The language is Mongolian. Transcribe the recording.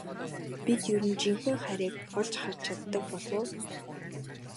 Бид ер нь жинхэнэ хайрыг олж харж чаддаг болов уу?